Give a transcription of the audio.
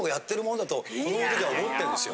子どもの時は思ってんですよ。